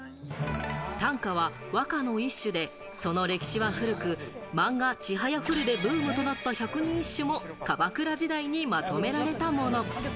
短歌は和歌の一種で、その歴史は古く、マンガ『ちはやふる』でブームとなった百人一首も鎌倉時代にまとめられたもの。